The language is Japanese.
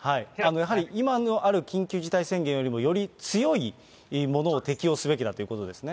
やはり今ある緊急事態宣言よりも、より強いものを適用すべきだということですね。